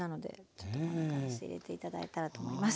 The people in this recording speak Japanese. ちょっとこんな感じで入れて頂いたらと思います。